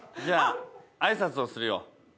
じゃあ、あいさつをするよ。